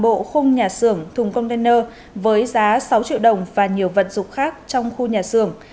bộ khung nhà xưởng thùng container với giá sáu triệu đồng và nhiều vật dụng khác trong khu nhà xưởng